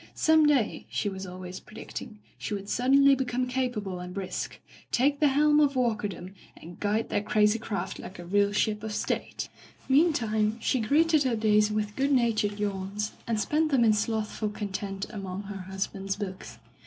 Some day, she was always predicting, she would suddenly become capable and brisk, take the helm of Walkerdom and guide that crazy craft like a real ship of state ; Digitized by LjOOQ IC Interventions meantime, she greeted her days with good natured yawns, and spent them in slothful content among her husband's books.